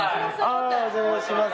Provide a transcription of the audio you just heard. お邪魔します